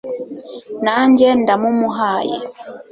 nanjye ndamumuhaye